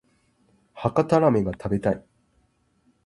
博多ラーメンが食べたい